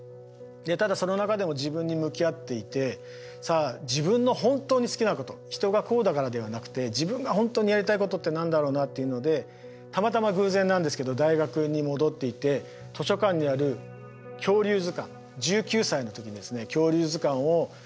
ただその中でも自分に向き合っていてさあ自分の本当に好きなこと人がこうだからではなくて自分が本当にやりたいことって何だろうなっていうのでたまたま偶然なんですけど大学に戻っていて図書館にある恐竜図鑑１９歳の時にですね恐竜図鑑をぱらっと開いた。